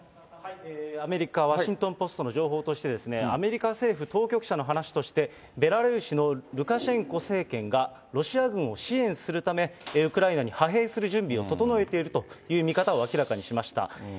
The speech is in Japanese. アメリカ、ワシントン・ポストの情報として、アメリカ政府当局者の話として、ベラルーシのルカシェンコ政権がロシア軍を支援するため、ウクライナに派兵する準備を整えているという見方を明らかにしました。